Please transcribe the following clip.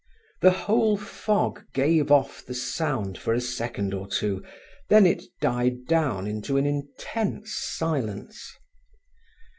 The whole fog gave off the sound for a second or two, then it died down into an intense silence.